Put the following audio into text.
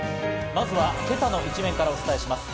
まずは今朝の一面からお伝えします。